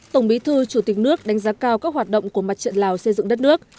tổng bí thư chủ tịch nước đánh giá cao các hoạt động của mặt trận lào xây dựng đất nước